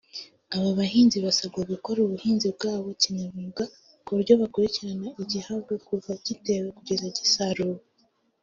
Aba bahinzi basabwa gukora ubuhinzi bwabo kinyamwuga ku buryo bakurikirana igihingwa kuva gitewe kugeza gisaruwe